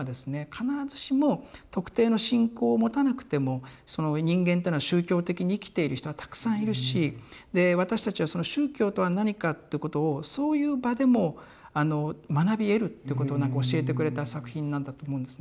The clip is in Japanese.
必ずしも特定の信仰を持たなくても人間っていうのは宗教的に生きている人はたくさんいるしで私たちは宗教とは何かってことをそういう場でも学び得るってことをなんか教えてくれた作品なんだと思うんですね。